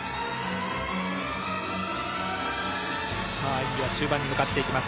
演技は終盤に向かっていきます。